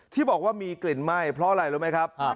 ที่บอกว่ามีกลิ่นไหม้เพราะอะไรรู้ไหมครับ